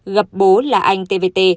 gặp bố là anh tvt